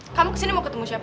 kamu kesini mau ketemu siapa